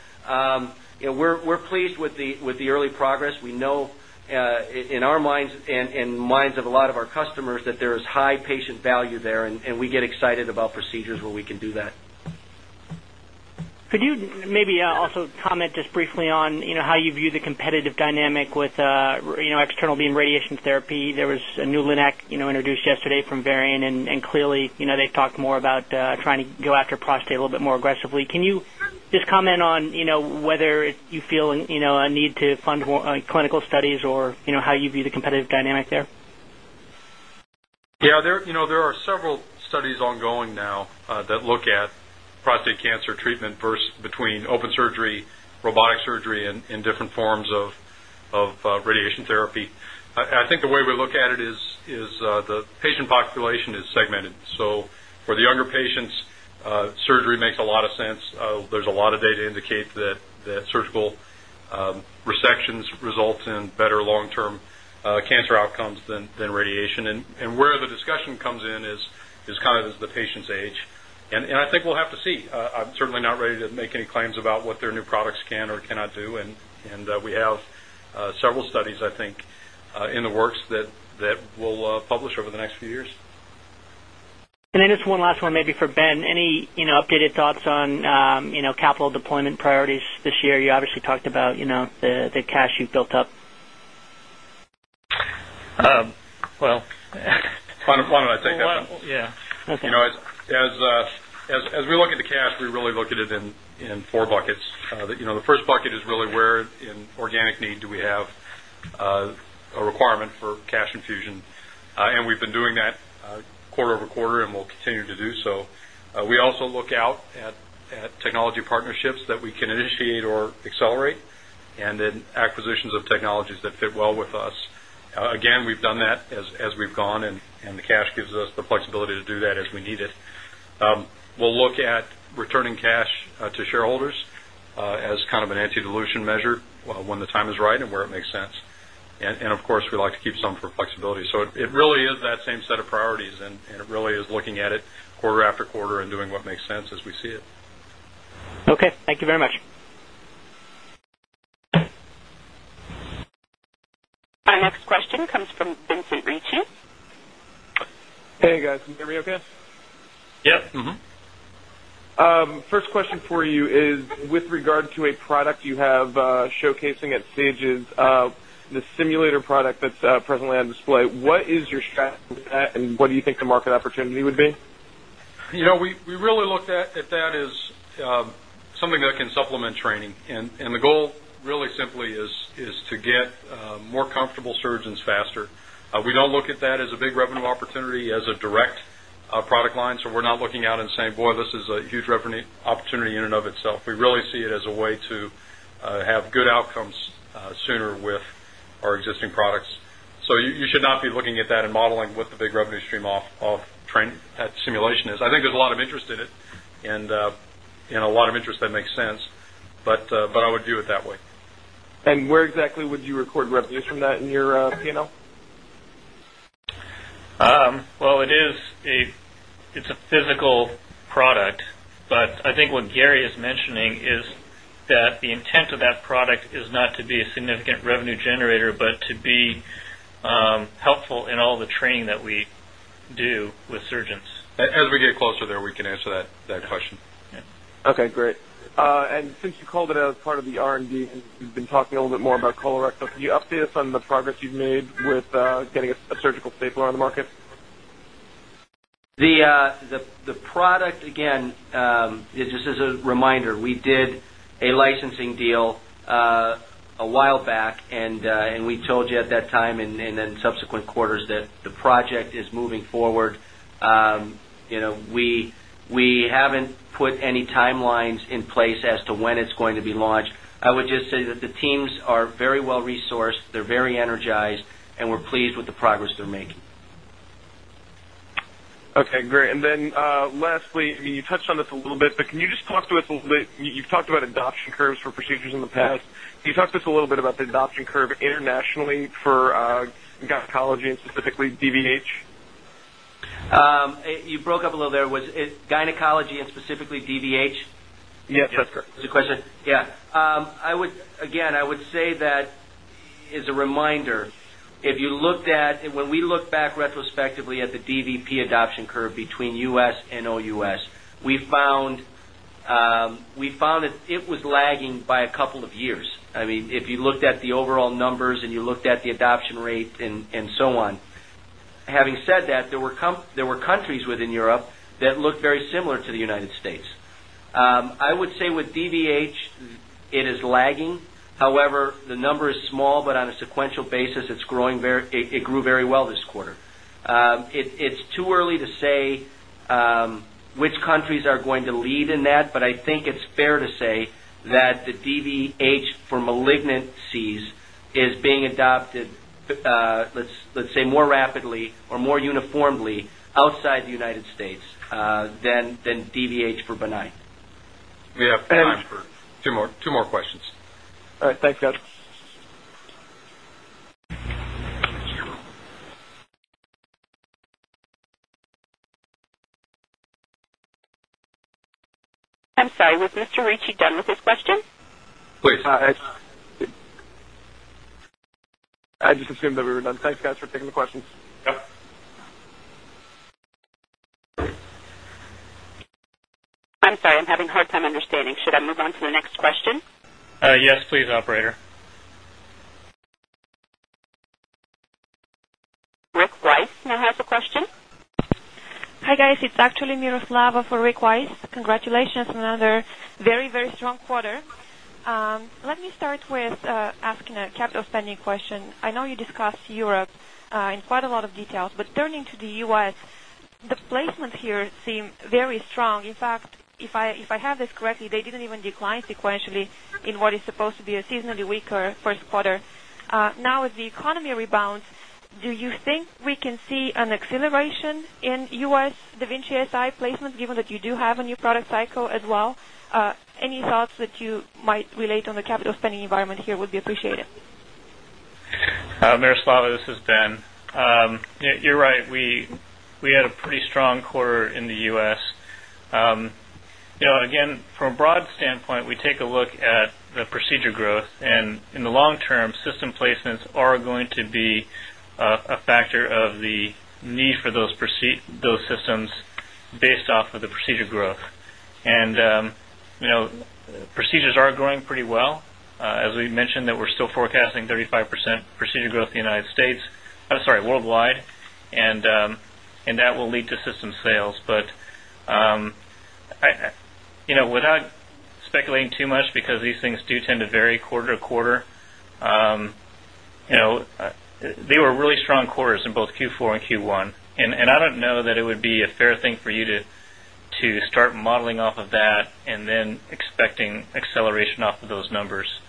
we're pleased with the early progress. We know in our minds and minds of a lot of our customers that there is high patient value there and we get excited about where we can do that. Could you maybe also comment just briefly on, you know, how you view the competitive dynamic with, you know, external being therapy. There was a new linac introduced yesterday from Varian and clearly they talked more about trying to go after prostate a little bit more aggressively. Can you just comment on, you know, whether you feel a need to fund clinical studies or, you know, how you view the competitive dynamic there? Yes, there are several studies ongoing now that look at prostate cancer treatment first between open surgery, robotic surgery, and different forms of radiation therapy. I think the way we look at it is, is the patient population is segmented. So for the younger patients, surgery makes a lot of sense. There's a lot of data to indicate that, that surgical, resection results in better long term, can for outcomes than radiation. And where the discussion comes in is kind of as the patient's age. And I think we'll have to see, I'm certainly not ready to make any claims about what they're products can or cannot do. And and, we have, several studies, I think, in the works that that we'll, publish over the next few years. Then just one last one, maybe for Ben. Any updated thoughts on, capital deployment priorities this year? You obviously talked about the cash you built up. Well Yeah. Okay. You know, as at the cash, we really look at it in 4 buckets. The first bucket is really where in organic need do we have a requirement for cash infusion and we've been doing that quarter over quarter and we'll continue to do so. We also look out at technology partnerships we can initiate or accelerate and then acquisitions of technologies that fit well with us. Again, we've done that as as we've gone and gives us the flexibility to do that as we need it. We'll look at returning cash to shareholders as kind of an anti dilution measure when the is right and where it makes sense. And of course, we like to keep some for flexibility. So it really is that same set of priorities and it really is looking at it quarter after quarter and doing what makes sense as we see it. Our next question comes from Vincent Ritchie. Yep. Mhmm. First question for you is with regard to a product, you have, showcasing at stages of the you know, we we really looked at if that is something that can supplement training. And the goal really simply is to get more comfortable surgeons faster. We don't look at that as a big opportunity as a direct product line. So we're not looking out and saying, Boy, this is a huge opportunity in and of itself. We really see it as a way to have good outcomes sooner with our existing products. So you you should not be looking at that and modeling with the big revenue stream off of simulation is. I think there's a lot of interest in it, and, and a lot of interest that makes sense, but, but I would do it that way. And where exactly would you record revenues from that in your P and L? Well, it is it it's a physical product, but I think what Gary is mentioning is that the intent of that product is not to be a revenue generator, but to be, helpful in all the training that we do with surgeons. As we get closer there, we can answer that. That question. Okay, great. And since you called it out as part of the R and D, you've been talking a little bit more about colorectal. Can you update us the progress you've made with, getting a a surgical stapler on the market? The, the the product, again, just as a reminder, we did a licensing deal, a while back and we told you at that time and then subsequent quarters that the project is moving forward. You know, we haven't put any timelines in place as to when it's going to be launched. I would just say that the teams are very well resourced. They are very energized and we are pleased the progress they're making. Okay. Great. And then, lastly, you touched on this a little bit, but can you talked to us a little bit. You've talked about adoption curves for procedures in the past. You talked to us a little bit about the adoption curve internationally for, gynecology and specifically DVH? You broke up a little there. Was it Gynecology and specifically DVH? Yes. That's correct. That's a question. Yeah. I would, again, I would say that as a reminder, if you looked at when we look back retrospectively at the EVP adoption curve between US and OUS. We found, we found that it was lagging by a couple of years. I mean, if you looked at the overall numbers and you looked at the adoption rate and so on, having said that, there were countries within Europe that looked very similar to the United States. I would say with DVH, it is lagging. However, the number is small, but on a sequential basis, it's growing very, it grew very well this quarter. It's too early to say, which countries are going to lead let's, let's say more rapidly or more uniformly outside the United States, than than DVH for benign. Two more questions. I'm sorry, with Mr. Ritchie Dunn with this question. Please. I just I just assumed that we were done. Thanks, guys, for taking the questions. I'm sorry. I'm having a hard time understanding. Should I move on to the next question? Yes, please, operator. Rick Weiss. May I have the question? Hi, guys. It's actually Miraflava for Rick Wise. Congratulations on another very, very strong quarter. Let me start with asking a capital spending question. I know you discussed Europe. In quite a lot of details, but turning to the U. S, the placement here seem very strong. In fact, if I have this correctly, they didn't even decline sequentially what is supposed to be a seasonally weaker first quarter. Now the economy rebounds, do you think we can see an acceleration in U. S. DaVincsi placements given that you do have a new product cycle as well, any thoughts that you might relate on the capital spending environment here would be appreciated. Mary Slava, this is Ben. Yeah, you're right. We we had a pretty strong quarter in the US. Yeah, again, from a broad standpoint, we take a look at the procedure growth. And in the long term, system placements are going to be a a factor of the need for those proceed those systems based off of the procedure growth. And, you know, procedures are growing pretty well. As we mentioned, that we're still forecasting 35 percent procedure growth in the United States I'm sorry, Worldwide, and, and that will lead to system sales. But, You know, without speculating too much because these things do tend to vary quarter to quarter. You know, they were really strong quarters in both Q4 and Q1. And and I don't know that it would be a fair thing for you to to start modeling off of that and then expecting acceleration off of those numbers.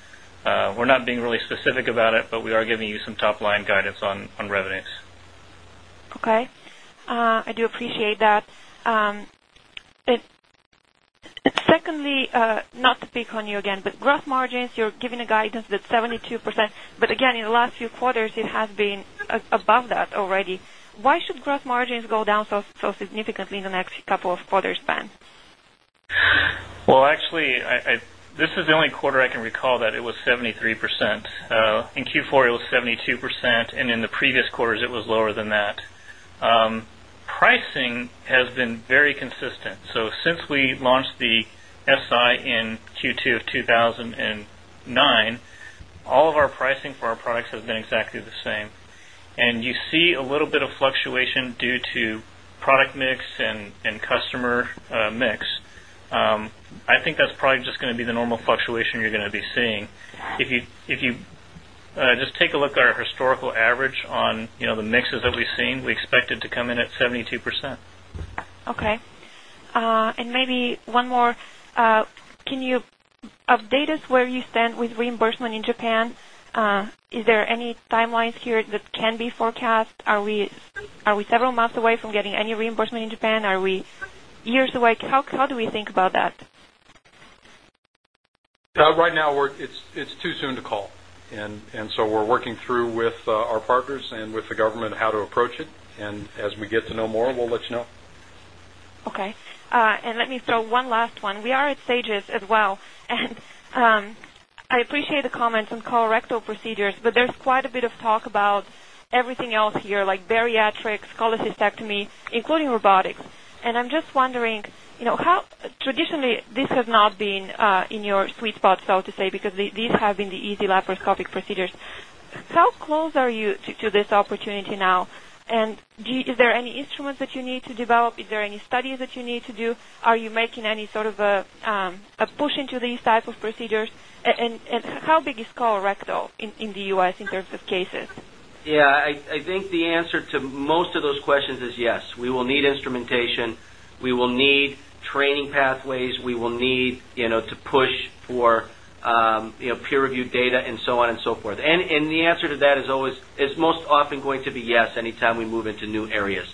We're not being really specific about it, but we are giving you some top line guidance on on revenues. Okay. I do appreciate that. Secondly, not to speak on you again, but gross margins, you're giving a guidance that 72% again, in the last few quarters, it has been above that already. Why should gross margins go down so significantly in the next couple of quarters span? Well, actually, I I this is the only quarter I can recall that it was 73%. In Q4, it was 72% and in the this quarter, it was lower than that. Pricing has been very consistent. So since we launched the in q 2 2009, all of our pricing for our products has been exactly the same. And you see a little fluctuation due to product mix and and customer mix, I think that's probably just gonna be the normal fluctuation you're be seeing. If you if you, just take a look at our historical average on, you know, the mixes that we've seen, we expected to come in at 72%. Okay. And maybe one more, can you update us where you stand with reimbursement in Japan? Is there any timelines here that can be forecast? Are we several months away from getting any reinforcement in Japan? Are we years away? How do we think about that? Right now, it's too soon to call. And so we're working through with our partners and with the government how to approach it. And as we get to know more, we'll let you know. Okay. And let me throw one last one. We are at Sages as well. And I appreciate the comments on colorectal procedures, but there's quite a bit of talk about everything else here like bariatrics, cholecystectomy, including robotics. And I'm just wondering how traditionally this has not been in your sweet spot, so to say because these have been the easy laparoscopic procedures. How close are you to this opportunity now? And is there any instruments that you need to develop? Is there any studies that you need to do? Are you making any sort of a push into these type of procedures and how big is colorectal in the U. S. In terms of cases? Yes, I think answer to most of those questions is yes. We will need instrumentation. We will need training pathways. We will need, you know, to push for, you know, peer reviewed data and so on and so forth. And the answer to that is always, is most often going to be, yes, anytime we move into new areas.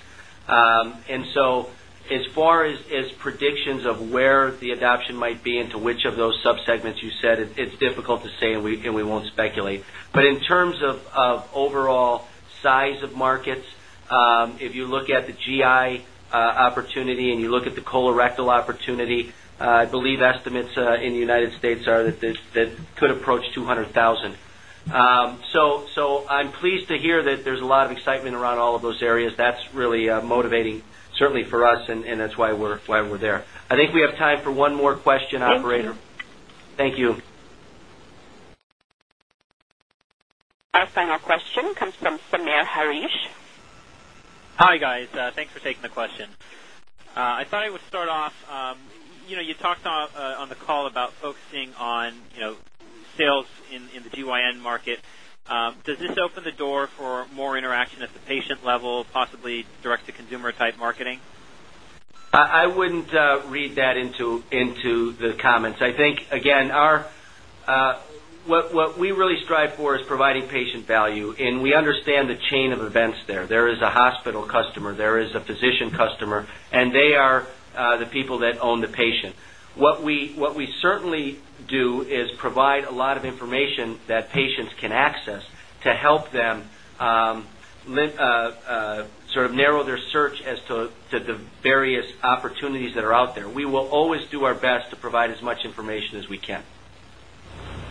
And so as far as predictions of where the adoption might be into which of those sub segments you said, it's difficult to say and we we won't speculate. But in terms of overall size of markets, if you look at the GI opportunity and you look at the colorectal opportunity, I believe estimates in the United States are that could approach 200,000 So I am pleased to hear that there is a lot of excitement around all of those areas. That's really motivating certainly for us and that's why we are why we are there. I think we have time for one more question, operator. Thank you. Our final question comes from Sameer Harish Hi, guys. Thanks for taking the question. I thought I would start off. You know, you talked on, on the call about focusing on, you know, sales in in the GYN market. Does this open the door for more interaction at the patient level possibly direct to consumer type marketing? I would read that into the comments. I think again, what we really strive for is providing patient value and we understand the chain of events there. There is a hospital customer. There is a physician customer and they are the people that own the patient. What we certainly do is provide a lot of information that patients can access to help them sort of narrow their search as to the various opportunities that are out there. We will always do our best to provide as much information as we can.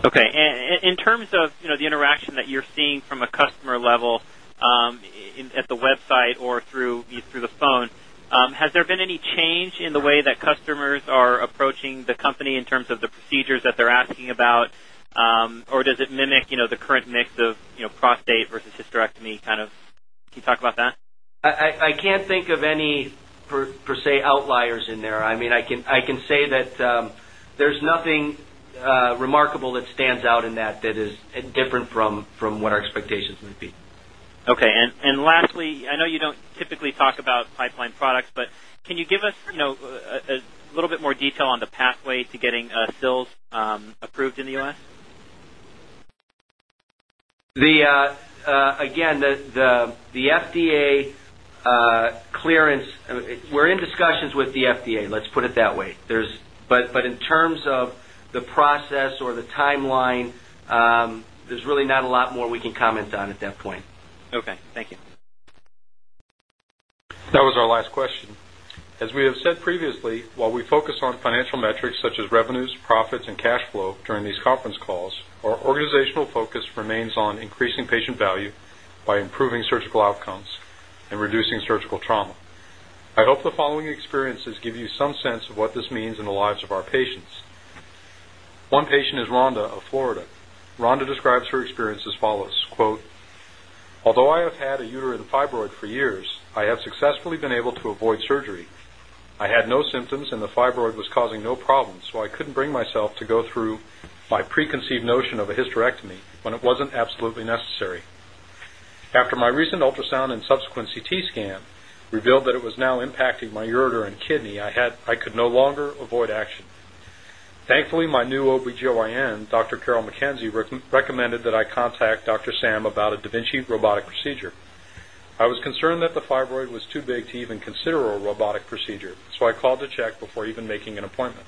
Okay. And in terms of, you know, the interaction that you're seeing from a customer level, at the website or through, you know, through the phone, has there been any change in the way that customers are approaching the company in terms of the procedures that they're asking about or does it mimic the mix of, you know, prostate versus hysterectomy kind of can you talk about that? I I I can't think of any per per se outliers in there. Mean, I can, I can say that, there's nothing, remarkable that stands out in that that is different from what our expectations would be? Okay. And and lastly, I know you don't typically talk about pipeline products, but can you give us, you know, a a little bit more detail on the pathway to getting a sales, approved in the US? The, again, the the the FDA clearance, we are in discussions with the FDA. Let's put it that way. There is, but in terms of the process or the timeline, there's really not a lot more we can comment on at that point. That was our last question. As we have said previously, while we focus on financial metrics such as revenues, profits, and cash flow during these conference calls, our organizational focus remains on increasing patient value by improving surgical outcomes and reducing surgical trauma. I hope the following experiences give you some sense of what this means in the lives of our patients. One patient is Rhonda of Florida. Rhonda describes her experience as follows, quote, although I have had a uterine fibroid for years, I have successfully been able to avoid surgery. I had no symptoms, and the fibroid was causing no problems, so I couldn't bring myself to go through my preconceived notion of a hysterectomy when it wasn't absolutely necessary. In after my recent ultrasound and subsequent CT scan revealed that it was now impacting my ureter and kidney, I had I could no longer avoid action. Thankfully my new OBGYN, Doctor. Carol Mackenzie recommended that I contact Doctor. Sam about a da Vinci robotic procedure. I was concerned that the fibroid was too big to even consider a robotic procedure, so I called to check before even making an appointment.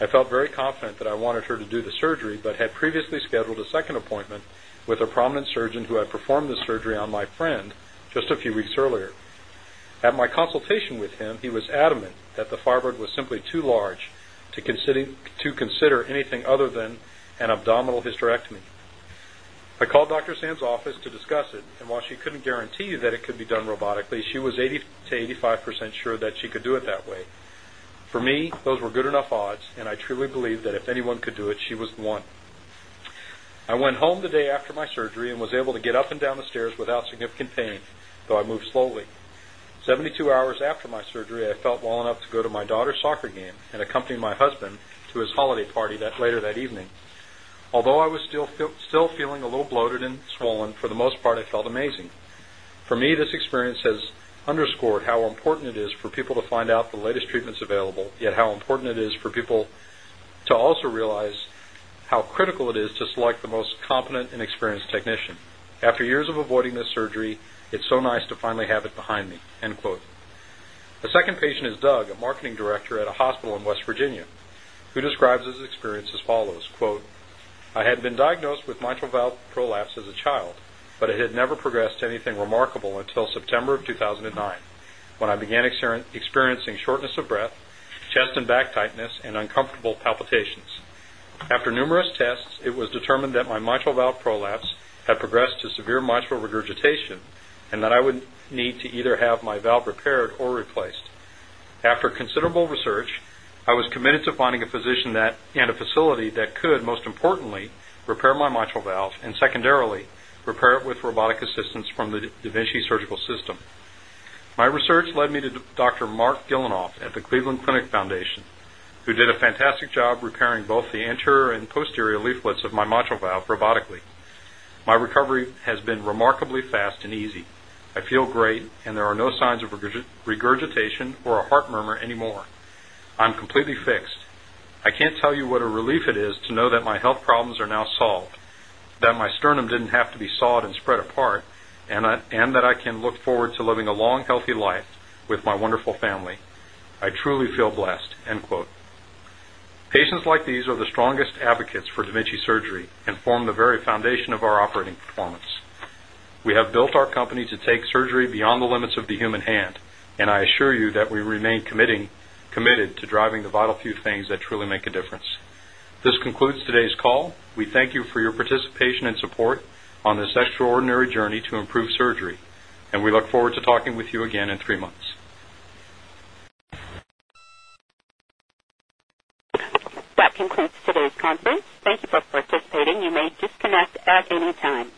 I felt very confident that I wanted her to do the surgery, but had previous scheduled a second appointment with a prominent surgeon who had performed this surgery on my friend just a few weeks earlier. At my consultation with him, he was adamant that the firebird was simply too large to consider to consider anything other than an abdominal hysterectomy. I called Doctor. Sam's office to discuss it, and while she couldn't guarantee that it could be done robotically, she was 80 to 85% sure that she could do it that way. For me, those were good enough odds, and I truly believe that if anyone could do it, she was the 1. I went home the day after my surgery and was able to get up and down the stairs without significant pain, though I moved slowly. 72 hours after my surgery, I felt well enough to go to my daughter's soccer game and accompanying my husband to his holiday party that later that evening, although I was still feeling a little bloated and swollen for the most part, it felt amazing. Me, this experience has underscored how important it is for people to find out the latest treatments available, yet how important it is for people also realize how critical it is to select the most competent and experienced technician. After years of avoiding this surgery, it's so nice to finally have it behind me. A second patient is Doug, a marketing director at a hospital in West Virginia, who describes his experience as follows: quote, I had been diagnosed with mitral valve prolapse as a child, but it had never progressed to anything remarkable until September of 2009. When I began experiencing shortness of breath, chest and back tightness, and uncomfortable palpitations. It was determined that research, I was committed to finding a position that and a facility that could most importantly repair my mitral valve and secondarily repair it with robotic assistance from Devinchy Surgical System. My research led me to Doctor. Mark Dillonoff at the Cleveland Clinic Foundation, who a fantastic job repairing both the anterior and posterior leaflets of my mitral valve robotically. My recovery has been remarkably asked and easy. I feel great, and there are no signs of regurgitation or a heart murmur anymore. I'm completely fixed. I can't say you what a relief it is to know that my health problems are now solved, that my sternum didn't have to be sought and spread apart, and that I can look forward to living a long health life with my wonderful family. I truly feel blessed. Patients like these are the strongest advocates for da Vinci surgery and form the very foundation of our operating ordinary journey to improve surgery. That concludes today's conference. Thank you for participating. You may disconnect at any time.